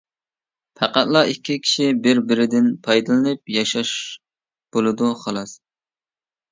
پەقەتلا، ئىككى كىشى بىر-بىرىدىن پايدىلىنىپ ياشاش بولىدۇ خالاس.